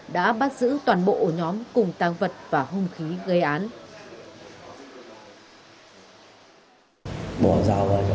đã bắt giữ toàn bộ ổ nhóm cùng tăng vật và hung khí gây án